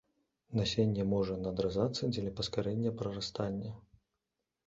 Насенне можа надразацца дзеля паскарэння прарастання.